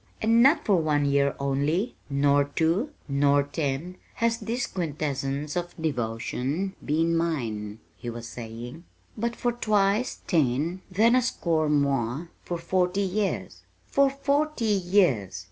"And not for one year only, nor two, nor ten, has this quintessence of devotion been mine," he was saying, "but for twice ten and then a score more for forty years. For forty years!